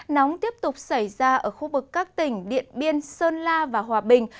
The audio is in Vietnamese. nóng tiếp tục xảy ra ở khu vực các tỉnh điện biên sơn la và hòa bình